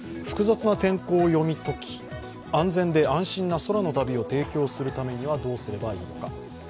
複雑な天候を読み解き、安全で安心な空の旅を提供するためにはどうしたらいいのか。